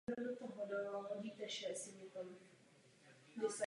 Neexistuje žádná právní ochrana před homofobní diskriminací.